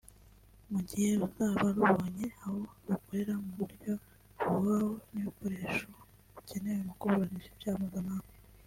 Mu gihe ruzaba rubonye aho rukorera mu buryo buhoraho n’ibikoresho bikenewe mu kuburnisha ibyaha mpuzamahanga